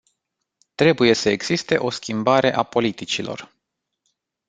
Trebuie să existe o schimbare a politicilor.